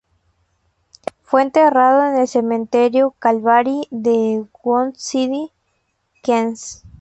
Fue enterrado en el Cementerio Calvary, en Woodside, Queens.